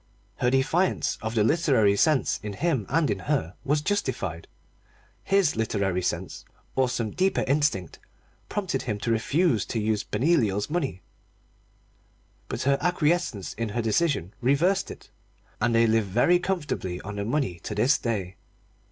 Her defiance of the literary sense in him and in her was justified. His literary sense, or some deeper instinct, prompted him to refuse to use Benoliel's money but her acquiescence in his decision reversed it. And they live very comfortably on the money to this day.